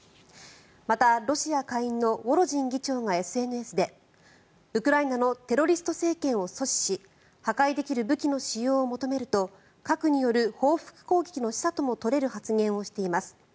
また、ロシア下院のウォロジン下院議長がＳＮＳでウクライナのテロリスト政権を阻止し破壊できる武器の使用を求めると核による報復攻撃の示唆とも取れる発言をしています。